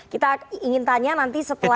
kita ingin tanya nanti setelah